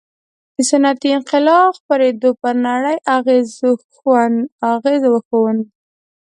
د صنعتي انقلاب خپرېدو پر نړۍ اغېز وښند.